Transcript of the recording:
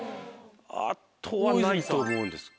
あとはないと思うんです。